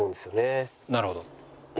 なるほど。